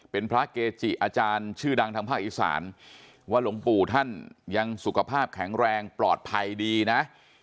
เป็นพระเกจิอาจารย์ชื่อดังทางภาคอีสานว่าหลวงปู่ท่านยังสุขภาพแข็งแรงปลอดภัยดีนะ